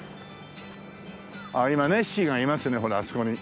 ああ今ネッシーがいますねほらあそこに。